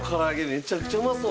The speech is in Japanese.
めちゃくちゃうまそう。